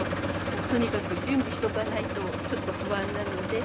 とにかく準備しとかないと、ちょっと不安なので。